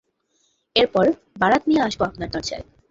এরপর, বারাত নিয়ে আসবো আপনার দরজায়।